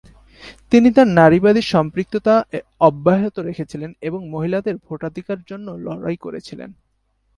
তিনি তার নারীবাদী সম্পৃক্ততা অব্যাহত রেখেছিলেন এবং মহিলাদের ভোটাধিকার জন্য লড়াই করেছিলেন।